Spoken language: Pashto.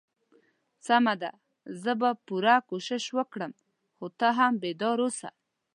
سمه ده زه به پوره کوشش وکړم خو ته هم بیدار اوسه.